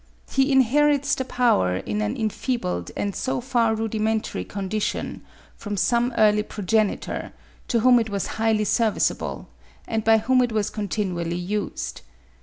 He inherits the power in an enfeebled and so far rudimentary condition, from some early progenitor, to whom it was highly serviceable, and by whom it was continually used.